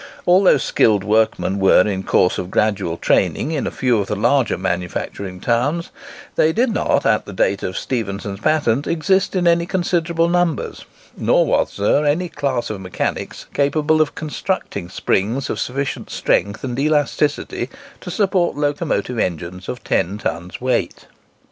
Although skilled workmen were in course of gradual training in a few of the larger manufacturing towns, they did not, at the date of Stephenson's patent, exist in any considerable numbers, nor was there then any class of mechanics capable of constructing springs of sufficient strength and elasticity to support locomotive engines of ten tons weight.